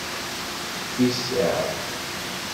Fisaε!